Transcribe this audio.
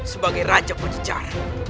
sebagai raja berjejar